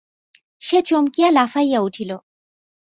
সে চমকিয়া লাফাইয়া উঠিল।